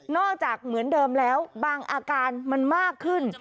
จากเหมือนเดิมแล้วบางอาการมันมากขึ้น